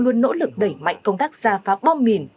luôn nỗ lực đẩy mạnh công tác xa phá bom mìn